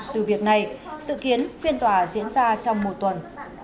vụ việc này sự kiến phiên tòa diễn ra trong một tuần